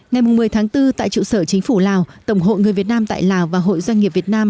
ngày một mươi tháng bốn tại trụ sở chính phủ lào tổng hội người việt nam tại lào và hội doanh nghiệp việt nam